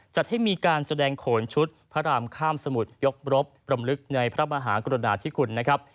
จัดให้มีการแสดงโขนชุดพระรามข้ามสมุทรยกรบรำลึกในพระมหากรุณาธิคุณนะครับ